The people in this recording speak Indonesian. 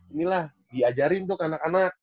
ini lah diajarin untuk anak anak